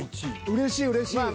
うれしいうれしい。